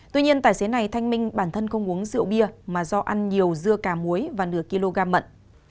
tuy nhiên tài xế này thanh minh bản thân không uống rượu bia mà do ăn nhiều dưa cà muối và nửa kg mận